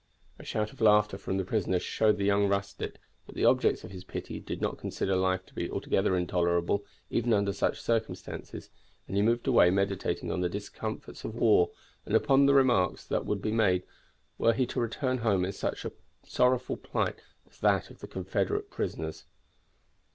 A shout of laughter from the prisoners showed the young rustic that the objects of his pity did not consider life to be altogether intolerable even under such circumstances, and he moved away meditating on the discomforts of war, and upon the remarks that would be made were he to return home in so sorrowful a plight as that of these Confederate prisoners.